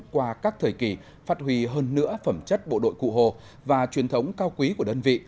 qua các thời kỳ phát huy hơn nữa phẩm chất bộ đội cụ hồ và truyền thống cao quý của đơn vị